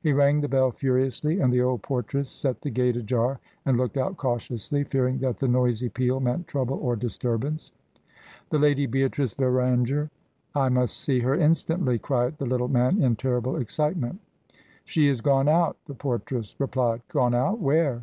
He rang the bell furiously, and the old portress set the gate ajar and looked out cautiously, fearing that the noisy peal meant trouble or disturbance. "The lady Beatrice Varanger I must see her instantly!" cried the little man in terrible excitement. "She is gone out," the portress replied. "Gone out? Where?